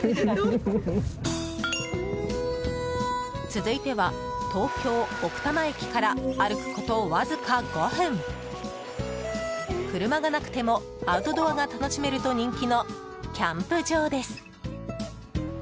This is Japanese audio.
続いては、東京・奥多摩駅から歩くことわずか５分車がなくてもアウトドアが楽しめると人気のキャンプ場です。